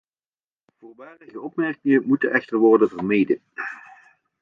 Voorbarige opmerkingen moeten echter worden vermeden.